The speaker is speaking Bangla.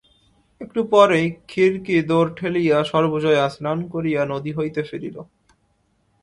একটু পরেই খিড়কি দোর ঠেলিয়া সর্বজয়া স্নান করিয়া নদী হইতে ফিরিল।